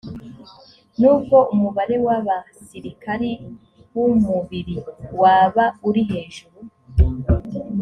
n’ubwo umubare w’abasirikari b’umubiri waba uri hejuru